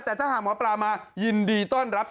แต่ถ้าหากหมอปลามายินดีต้อนรับ